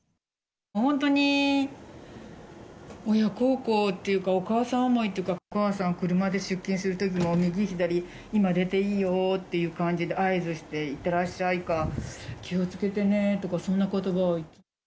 本当に親孝行というか、お母さんが車で出勤するときも、右左、今、出ていいよっていう感じで、合図して、いってらっしゃいか、気をつけてねとか、そんなことばを。